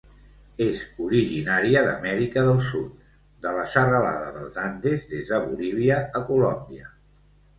És originària d'Amèrica del Sud, de la serralada dels Andes des de Bolívia a Colòmbia.